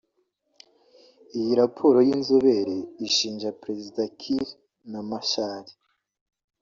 Iyo raporo y’inzobere ishinja Perezida Kiir na Machar